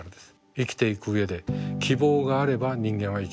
生きていく上で希望があれば人間は生きていける。